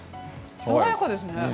爽やかですね。